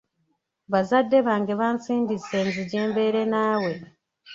Bazadde bange bansindise nzije mbeere naawe.